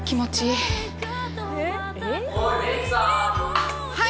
あっはい！